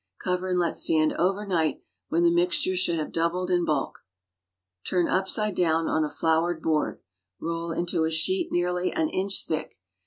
Cover and let stand overnight, when the mix ture should have doubled in bulk. Turn upside down on a floured board. Roll into a sheet nearly an inch thick.